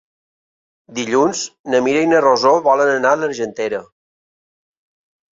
Dilluns na Mira i na Rosó volen anar a l'Argentera.